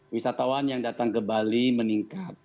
wisatawan yang datang ke bali meningkat